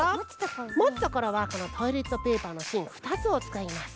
もつところはこのトイレットペーパーのしん２つをつかいます。